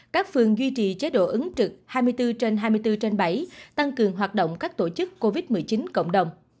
các phường duy trì chế độ ứng trực hai mươi bốn trên hai mươi bốn trên bảy tăng cường hoạt động các tổ chức covid một mươi chín cộng đồng